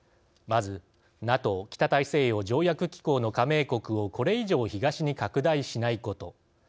まず、ＮＡＴＯ＝北大西洋条約機構の加盟国をこれ以上、東に拡大しないこと。